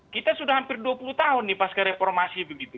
kita sudah hampir dua puluh tahun nih pas ke reformasi begitu